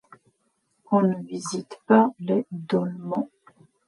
On ne visite pas les dolmens.